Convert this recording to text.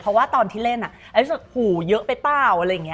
เพราะว่าตอนที่เล่นไอซ์รู้สึกหูเยอะไปเปล่าอะไรอย่างนี้